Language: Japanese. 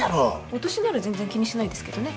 私なら全然気にしないですけどね